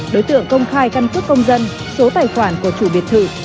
đối tượng công khai căn cước công dân số tài khoản của chủ biệt thự